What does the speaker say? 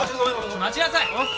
待ちなさい！